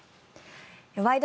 「ワイド！